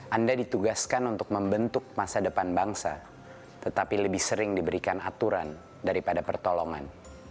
anda ditugaskan untuk membentuk masa depan bangsa tetapi lebih sering diberikan aturan daripada pertolongan